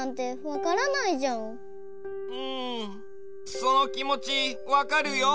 そのきもちわかるよ。